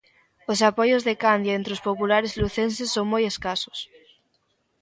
Os apoios de Candia entre os populares lucenses son moi escasos.